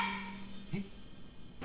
えっ！？